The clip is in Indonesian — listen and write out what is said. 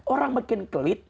orang makin kelit